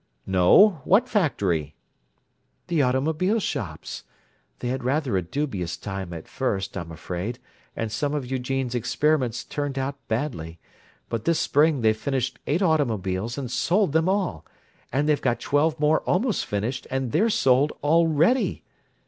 "No. What factory?" "The automobile shops. They had rather a dubious time at first, I'm afraid, and some of Eugene's experiments turned out badly, but this spring they've finished eight automobiles and sold them all, and they've got twelve more almost finished, and they're sold already!